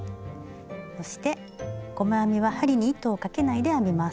そして細編みは針に糸をかけないで編みます。